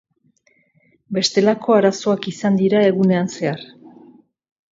Bestelako arazoak izan dira egunean zehar.